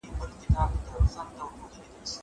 زه اوس لوښي وچوم.